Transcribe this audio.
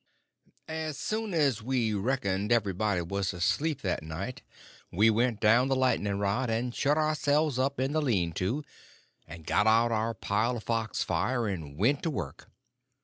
As soon as we reckoned everybody was asleep that night we went down the lightning rod, and shut ourselves up in the lean to, and got out our pile of fox fire, and went to work.